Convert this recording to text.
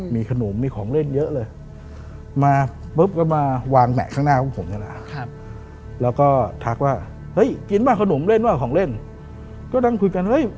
มีขนมมีของเล่นเยอะเลย